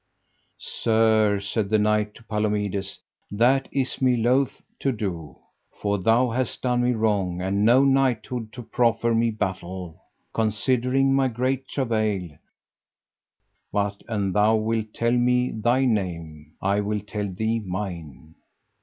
Sir, said the knight to Palomides, that is me loath to do, for thou hast done me wrong and no knighthood to proffer me battle, considering my great travail, but an thou wilt tell me thy name I will tell thee mine.